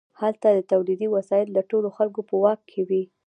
هلته د تولید وسایل د ټولو خلکو په واک کې وي.